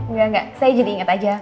engga enga saya jadi inget aja